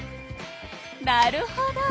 なるほど！